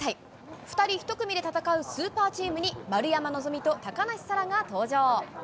２人１組で戦うスーパーチームに、丸山希と高梨沙羅が登場。